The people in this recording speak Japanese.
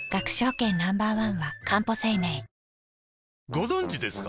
ご存知ですか？